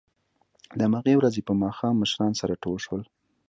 د همهغې ورځې په ماښام مشران سره ټول شول